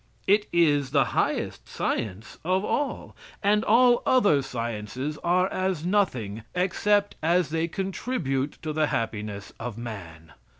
It is the highest science of all. And all other sciences are as nothing, except as they contribute to the happiness of man.